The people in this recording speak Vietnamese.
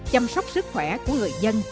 chăm sóc sức khỏe của người dân